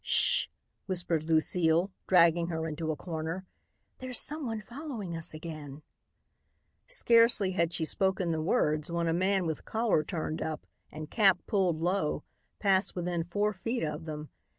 "Sh!" whispered Lucile, dragging her into a corner. "There's someone following us again." Scarcely had she spoken the words when a man with collar turned up and cap pulled low passed within four feet of them.